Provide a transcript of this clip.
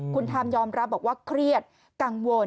คุณทามยอมรับบอกว่าเครียดกังวล